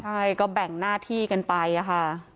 ใช่ก็แบ่งหน้าที่กันไปค่ะ